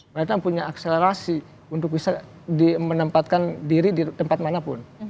mereka punya akselerasi untuk bisa menempatkan diri di tempat manapun